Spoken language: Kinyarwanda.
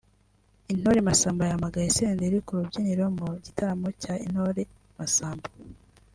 Intore Masamba yahamagaye Senderi ku rubyiniro mu gitaramo cya Intore Masamba